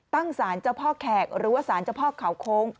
ตั้งสารเจ้าพ่อแขกหรือว่าสารเจ้าพ่อเขาโค้ง